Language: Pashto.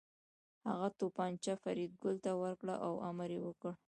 هغه توپانچه فریدګل ته ورکړه او امر یې وکړ